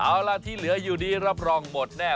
เอาล่ะที่เหลืออยู่ดีรับรองหมดแน่